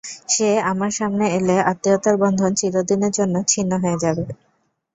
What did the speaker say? সে আমার সামনে এলে আত্মীয়তার বন্ধন চিরদিনের জন্য ছিন্ন হয়ে যাবে।